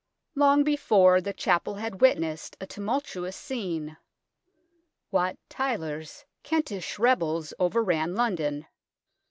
Long before the chapel had witnessed a tumultuous scene. Wat Tyler's Kentish rebels overran London.